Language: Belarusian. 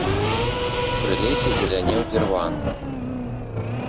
Пры лесе зелянеў дзірван.